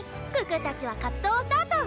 可たちは活動をスタート！